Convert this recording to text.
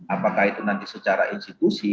apakah itu nanti secara institusi